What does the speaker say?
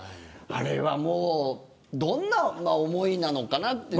あれはどんな思いなのかなって。